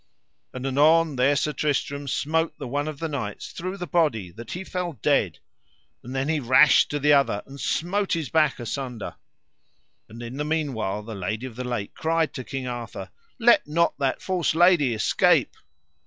And anon there Sir Tristram smote the one of the knights through the body that he fell dead; and then he rashed to the other and smote his back asunder; and in the meanwhile the Lady of the Lake cried to King Arthur: Let not that false lady escape.